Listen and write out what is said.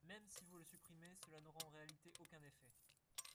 Même si vous le supprimez, cela n’aura en réalité aucun effet.